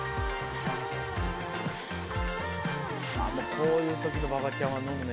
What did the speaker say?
こういう時の馬場ちゃんは飲むね。